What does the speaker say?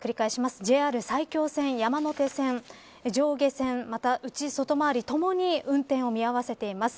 ＪＲ埼京線、山手線上下線、また内外回りともに運転を見合わせています。